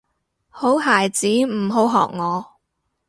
好孩子唔好學我